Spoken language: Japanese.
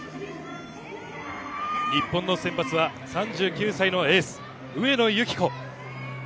日本の先発は３９歳のエース、上野由岐子。